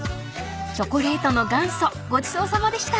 ［チョコレートの元祖ごちそうさまでした］